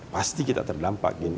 pasti kita terdampak